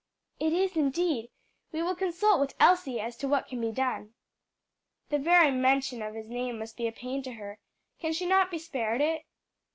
"It is, indeed! We will consult with Elsie as to what can be done." "The very mention of his name must be a pain to her; can she not be spared it?"